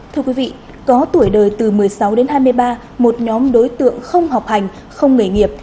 thưa quý vị có tuổi đời từ một mươi sáu đến hai mươi ba một nhóm đối tượng không học hành không nghề nghiệp